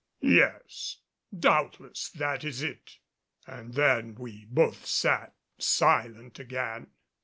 "Yes, doubtless that is it." And then we both sat silent again.